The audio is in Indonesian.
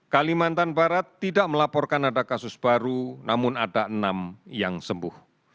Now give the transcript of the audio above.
kalimantan barat tidak melaporkan ada kasus baru namun ada enam yang sembuh